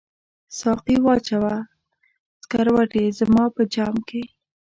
ساقي واچوه سکروټي زما په جام کې